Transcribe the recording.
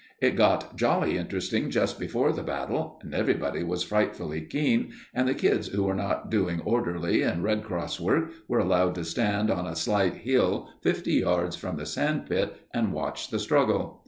It got jolly interesting just before the battle, and everybody was frightfully keen, and the kids who were not doing orderly and red cross work, were allowed to stand on a slight hill fifty yards from the sand pit and watch the struggle.